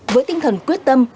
với tinh thần quyết tâm